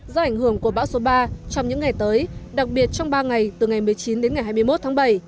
do ảnh hưởng của bão số ba trong những ngày tới đặc biệt trong ba ngày từ ngày một mươi chín đến ngày hai mươi một tháng bảy